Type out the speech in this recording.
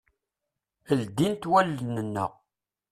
Ldint wallen-nneɣ.